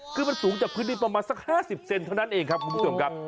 คือมันสูงจากพื้นดินประมาณสัก๕๐เซนเท่านั้นเองครับคุณผู้ชมครับ